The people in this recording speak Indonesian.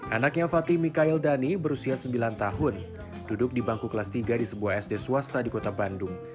anaknya fatih mikaeldani berusia sembilan tahun duduk di bangku kelas tiga di sebuah sd swasta di kota bandung